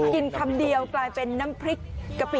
คำเดียวกลายเป็นน้ำพริกกะปิ